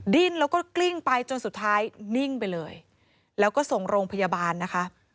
ดิ้นแล้วก็กลิ้งไปจนสุดท้ายนิ่งไปเลยแล้วก็ส่งโรงพยาบาลนะคะ